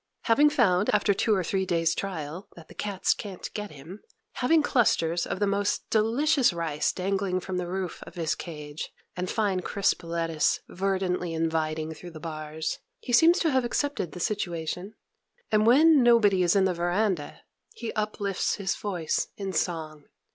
Having found, after two or three days' trial, that the cats can't get him; having clusters of the most delicious rice dangling from the roof of his cage, and fine crisp lettuce verdantly inviting through the bars, he seems to have accepted the situation; and, when nobody is in the veranda, he uplifts his voice in song.